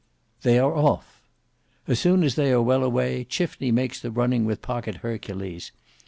They are off! As soon as they are well away, Chifney makes the running with Pocket Hercules.